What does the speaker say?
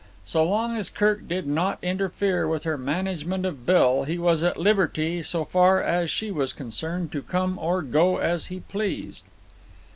So long as Kirk did not interfere with her management of Bill, he was at liberty, so far as she was concerned, to come or go as he pleased.